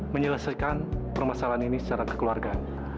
menyelesaikan permasalahan ini secara kekeluargaan